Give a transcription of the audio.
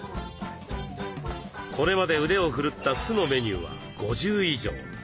これまで腕を振るった酢のメニューは５０以上。